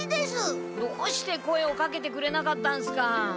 どうして声をかけてくれなかったんすか？